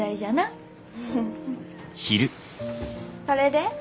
それで？